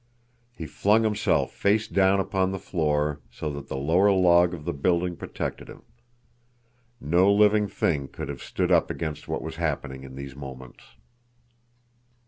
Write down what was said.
He flung himself face down upon the floor, so that the lower log of the building protected him. No living thing could have stood up against what was happening in these moments.